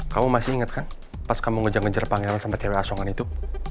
kamu masih ingat kan pas kamu ngejar ngejar pangeran sama cewek asongan itu